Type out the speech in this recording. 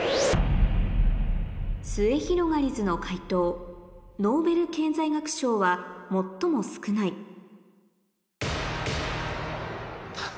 すゑひろがりずの解答「ノーベル経済学賞は最も少ない」頼む。